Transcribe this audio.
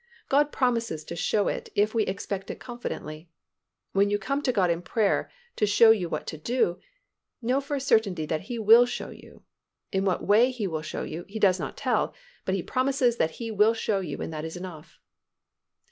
God promises to show it if we expect it confidently. When you come to God in prayer to show you what to do, know for a certainty that He will show you. In what way He will show you, He does not tell, but He promises that He will show you and that is enough.